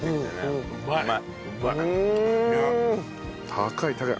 高い高い。